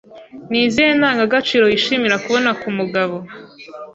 Ni izihe Ndangagaciro wishimira kubona ku mugabo